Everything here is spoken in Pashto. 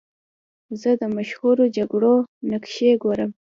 زه د مشهورو جګړو نقشې ګورم.